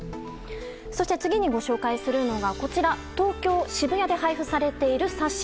そして、次にご紹介するのは東京・渋谷で配布されている冊子。